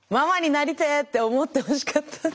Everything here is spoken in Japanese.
ママになりてえって思ってほしかった。